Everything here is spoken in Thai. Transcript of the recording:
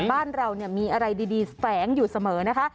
บ้านเรามีอะไรดีแฝงอยู่เสมอนะคะ